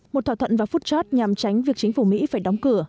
một thỏa thuận vào phút chót nhằm tránh việc chính phủ mỹ phải đóng cửa